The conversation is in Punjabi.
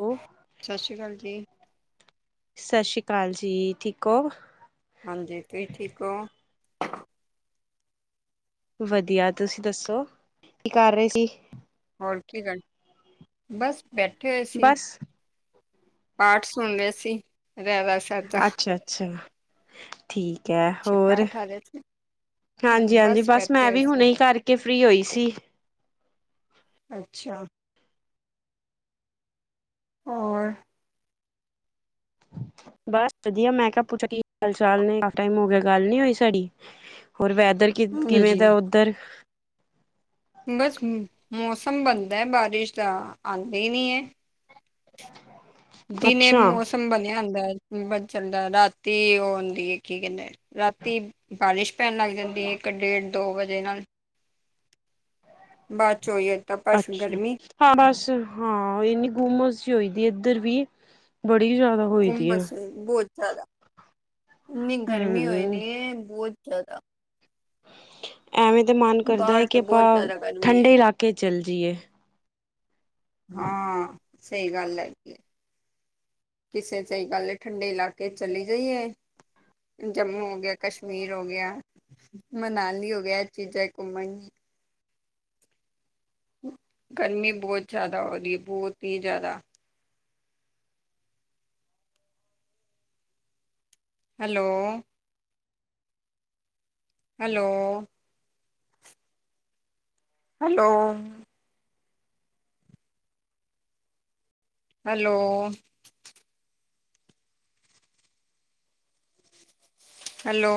ਉਹ ਸਸ਼ ਸ਼੍ਰੀ ਕਾਲ ਜੀ। ਸਸ਼ ਸ੍ਰੀ ਕਾਲ ਜੀ ਠੀਕ ਔ? ਹਾਂਜੀ, ਤੁਸੀਂ ਠੀਕ ਔ? ਵਧੀਆ, ਤੁਸੀ ਦਸੋ ਕੀ ਕਰ ਰਹੇ ਸੀ? ਹੋਰ ਕੀ ਗੱਲ, ਬਸ ਬੈਠੇ ਹੋਏ ਸੀ। ਬਸ ਪਾਠ ਸੁਣਦੇ ਸੀ। ‌ ਰਹਿ ਰਾਸ ਅੱਛਾ-ਅੱਛਾ। ਠੀਕ ਹੈ। ਅੱਛਾ ਹੋਰ ਪਾਠ ਆ ਰਹੇ ਸੀ ਹਾਂਜੀ-ਹਾਂਜੀ, ਬਸ ਬੈਠੇ ਮੈ ਹੋਏ ਵੀ ਸੀ ਹੁਣੇ ਕਰਕੇ ਕਿ ਫ੍ਰਰੀ ਹੋਈ ਸੀ। ਅੱਛਾ। ਔਰ ਬਸ ਵਧੀਆ, ਮੈ ਕਿਹਾ ਪੁੱਛਾ ਕੀ ਹਾਲ ਚਾਲ ਨੇ ਕਿਨਾ ਟਾਈਮ ਹੋ ਗਿਆ, ਗੱਲ ਨੀ ਹੋਈ ਸਾਡੀ। ਹੋਰ, ਵੈਦਰ ਕਿਵੇ ਹਾਂਜੀ ਦਾ ਉਧਰ ਬਸ, ਮੋਸਮ ਬਣਦਾ ਬਾਰਿਸ਼ ਤਾਂ ਆਉਦੀ ਹੀ ਨਹੀ ਹੈ। ਦਿਨੇ ਅੱਛਾ ਮੋਸਮ ਬਣਿਆ ਹੁੰਦਾ ਹੈ। ਬਦ ਚਲਦਾ ਰਾਤੀ ਉਹ ਹੁੰਦੀ ਕੀ ਕਹਿਦੇ ਰਾਤੀ ਬਾਰਿਸ਼ ਪੈਣ ਲਗ ਜਾਦੀ ਹੈ। ਇਕ ਡੇਡ ਦੋ ਵਜੇ ਨਾਲ ਬਾਦ ਚ ਹੋਈਏ ਅੱਛਾ। ਹਾਂ, ਬਸ ਹਾਂ ਇਨੀ ਗੁੰਮਸ ਹੀ ਹੋਦੀ, ਇਧਰ ਵੀ ਬੜੀ ਜਿਆਦਾ‌। ਹੁੰਮਸ, ਬਹੁਤ ਜਿਆਦਾ ਇਨੀ ਗਰਮੀ ਹੋਈ ਹਮ ਨੀ ਹੈ, ਬਹੁਤ ਜਿਆਦਾ। ਐਵੇਂ ਤੇ ਮਨ ਕਰਦਾ ਹੈ। ਬਾਹਰ ਤੇ ਕਿ ਆਪਾ ਬਹੁਤ ਜ਼ਿਆਦਾ ਗਰਮੀ ਹੈ। ਠੰਡੇ ਇਲਾਕੇ ਚੱਲ ਜਾਈਏ। ਹਾਂ, ਸਹੀ ਗੱਲ ਹੈਗੀ। ਕਿਸੇ 'ਚ ਸਹੀ ਗੱਲ, ਠੰਡੇ ਇਲਾਕੇ ਚਲੀ ਜਾਈਏ। ਜੰਮੂ ਹੋ ਗਿਆ, ਕਸ਼ਮੀਰ ਹੋ ਗਿਆ। ਮਨਾਲੀ ਹੋ ਗਿਆ, ਇਹ ਚੀਜਾ ਘੁੰਮਣ- ਗਰਮੀ ਬਹੁਤ ਜਿਆਦਾ ਹੋ ਰਹੀ ਹੈ, ਬਹੁਤ ਹੀ ਜਿਆਦਾ। Hello hello- hello- hello- hello-